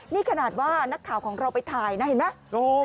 นี่ขนาดว่านักข่าวของเราไปถ่ายนะเห็นไหม